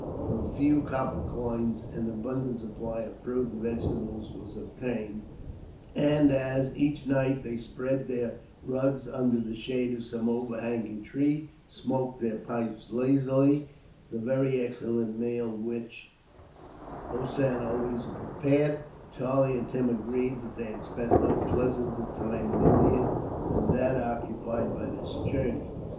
For a few copper coins an abundant supply of fruit and vegetables was obtainable; and as, each night, they spread their rugs under the shade of some overhanging tree, and smoked their pipes lazily after the very excellent meal which Hossein always prepared, Charlie and Tim agreed that they had spent no pleasanter time in India than that occupied by their journey.